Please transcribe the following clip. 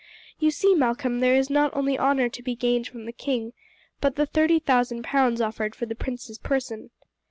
You see, Malcolm, there is not only honour to be gained from the king, but the thirty thousand pounds offered for the prince's person.